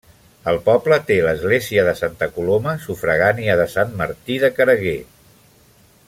El poble té l'església de Santa Coloma, sufragània de Sant Martí de Caregue.